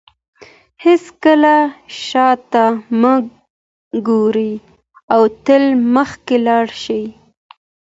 هیڅکله شاته مه ګورئ او تل مخکې لاړ شئ.